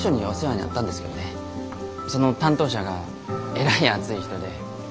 その担当者がえらい熱い人で。